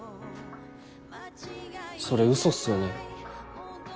それウソっすよね。